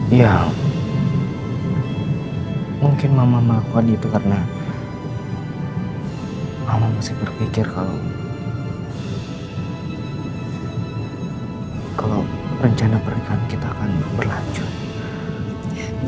iya mungkin mama melakukan itu karena mama masih berpikir kalau rencana pernikahan kita akan berlanjut